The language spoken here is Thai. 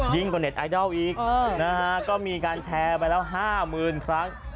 ยิ่งกว่าเน็ตไอดอลอีกนะฮะก็มีการแชร์ไปแล้วห้ามือนครัง